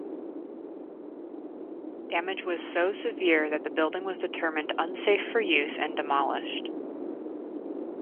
Damage was so severe that the building was determined unsafe for use and demolished.